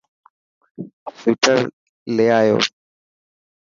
سوئٽر لي آيو.